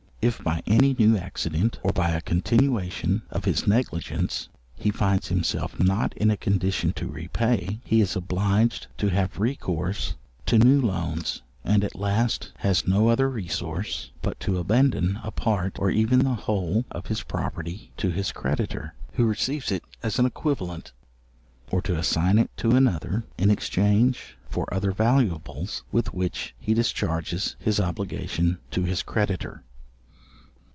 If by any new accident, or by a continuation of his negligence, he finds himself not in a condition to repay, he is obliged to have recourse to new loans, and at last has no other resource but to abandon a part, or even the whole of his property to his creditor, who receives it as an equivalent; or to assign it to another, in exchange for other valuables with which he discharges his obligation to his creditor.